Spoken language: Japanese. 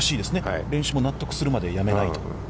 練習も納得するまでやめないと。